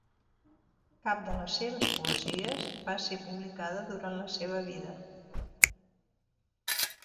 Cap de les seves poesies va ser publicada durant la seva vida.